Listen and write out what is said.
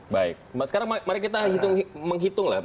baik sekarang mari kita menghitung lah